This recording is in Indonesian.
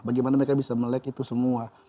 bagaimana mereka bisa melek itu semua